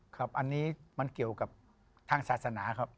ครับอันนี้มันเกี่ยวกับทางศาสนาครับ